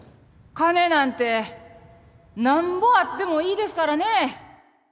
金なんてなんぼあってもいいですからね。